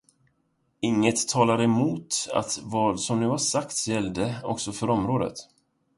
Inget talar emot att vad som nu har sagts gällde också för området.